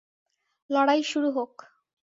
লড়াই শুরু হোক।